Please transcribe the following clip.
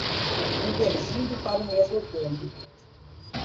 Convergindo para um mesmo ponto